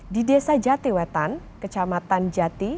di desa jatiwetan kecamatan jati